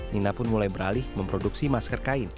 nina pun mulai beralih memproduksi masker kain